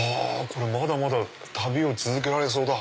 まだまだ旅を続けられそうだ。